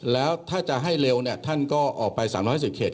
แล้วถ้าจะให้เร็วเนี่ยท่านก็ออกไป๓๕๐เขต